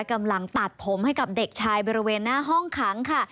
กำลังตัดผมให้กับเด็กชายบริเวณหน้าห้องขังค่ะ